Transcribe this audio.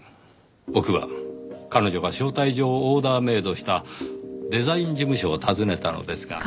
僕は彼女が招待状をオーダーメイドしたデザイン事務所を訪ねたのですが。